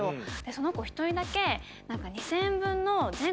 その子１人だけ。